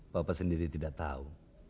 papa sendiri tidak tahu